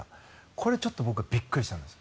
これ、ちょっと僕はびっくりしたんです。